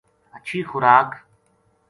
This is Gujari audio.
ہچھی خوراک